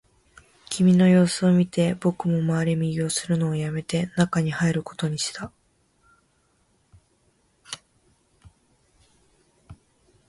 君の様子を見て、僕も回れ右をするのをやめて、中に入ることにした